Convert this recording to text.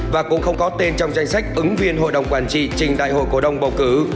và cũng không có tên trong danh sách ứng viên hội đồng quản trị trình đại hội cổ đông bầu cử